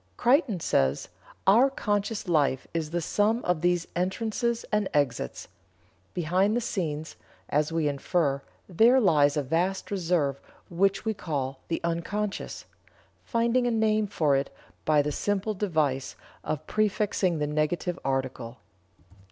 Creighton says: "Our conscious life is the sum of these entrances and exits. Behind the scenes, as we infer, there lies a vast reserve which we call 'the unconscious,' finding a name for it by the simple device of prefixing the negative article.